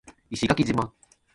石垣島